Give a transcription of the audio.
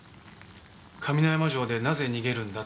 上山城でなぜ逃げるんだ？